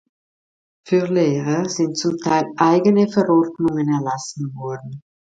Für Lehrer sind zum Teil eigene Verordnungen erlassen worden.